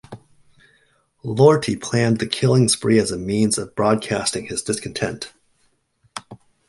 Lortie planned the killing spree as a means of broadcasting his discontent.